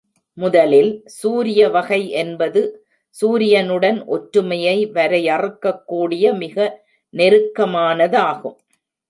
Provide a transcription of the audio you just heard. முதலில், சூரிய வகை என்பது சூரியனுடன் ஒற்றுமையை வரையறுக்கக்கூடிய மிக நெருக்கமானதாகும்.